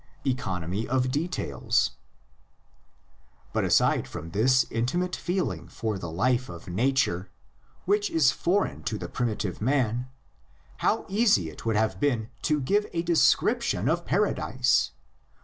ECONOMY OF DETAILS. But aside from this intimate feeling for the life of nature, which was foreign to the primitive man, how easy it would have been to give a description of Paradise!